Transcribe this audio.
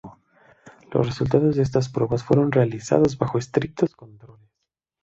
Los resultados de estas pruebas fueron realizados bajo estrictos controles.